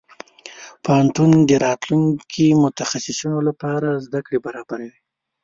پوهنتون د راتلونکي متخصصينو لپاره زده کړې برابروي.